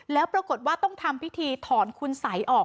แล้วปรากฏว่าต้องทำพิธีถอนคุณสัยออก